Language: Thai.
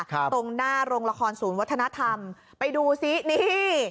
ตรงหน้าโรงละครศูนย์วัฒนธรรมไปดูซินี่